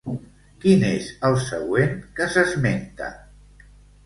Quin és el següent que s'esmenta?